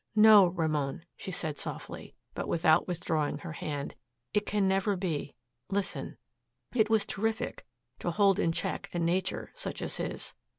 "No, Ramon," she said softly, but without withdrawing her hand. "It can never be listen." It was terrific, to hold in check a nature such as his.